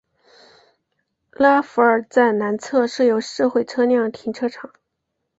勒阿弗尔站南侧设有社会车辆停车场。